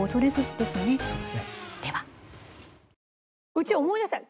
うち思い出した！